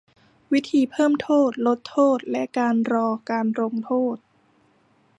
วิธีเพิ่มโทษ ลดโทษ และการรอการลงโทษ